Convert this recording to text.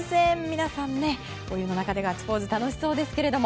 皆さん、お湯の中でガッツポーズ楽しそうですけれども。